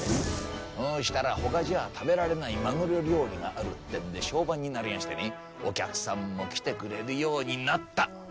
「そしたら他じゃ食べられないマグロ料理があるってんで評判になりやしてねお客さんも来てくれるようになった」。